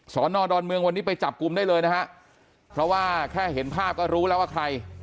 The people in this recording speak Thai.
สอนอดอนเมืองวันนี้ไปจับกลุ่มได้เลยนะฮะเพราะว่าแค่เห็นภาพก็รู้แล้วว่าใคร